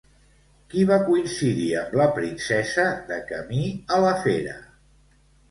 Qui va coincidir amb la princesa de camí a la fera?